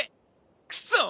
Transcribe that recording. クソ！